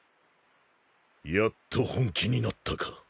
やっと本気になったか。